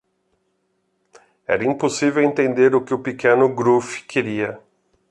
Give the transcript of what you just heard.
Era impossível entender o que o pequeno Gruff queria.